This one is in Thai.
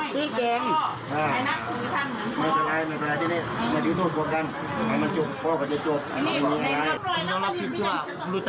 เพื่อนพ่อแล้วนี่